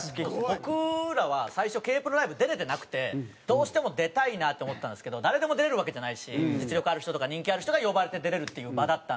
僕らは最初Ｋ−ＰＲＯライブ出れてなくてどうしても出たいなって思ってたんですけど誰でも出れるわけじゃないし実力ある人とか人気ある人が呼ばれて出れるっていう場だったんで。